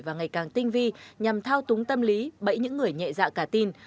và ngày càng tinh vi nhằm thao túng tâm lý bẫy những người nhẹ dạ cả tin